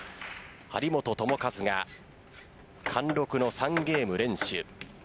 張本智和が貫禄の３ゲーム連取。